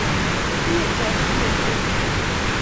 matinye chokchinet berur